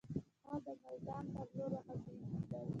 هغه د ملتان پر لور وخوځېدی.